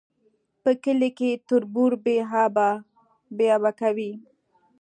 په کلي کي تربور بې آبه کوي